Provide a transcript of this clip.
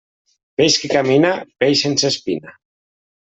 Peix que camina, peix sense espina.